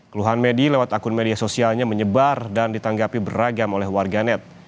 keluhan medi lewat akun media sosialnya menyebar dan ditanggapi beragam oleh warganet